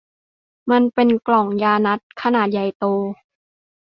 มันเป็นกล่องยานัตถุ์ขนาดใหญ่โต